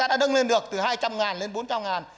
dân được từ hai trăm linh lên bốn trăm linh